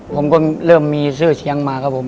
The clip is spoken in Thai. ผมก็เริ่มมีชื่อเสียงมาครับผม